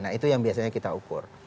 nah itu yang biasanya kita ukur